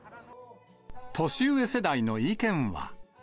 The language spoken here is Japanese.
年上世代の意見は。